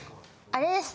あれです